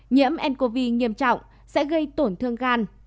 nhiễm ncov nghiêm trọng sẽ gây tổn thương gan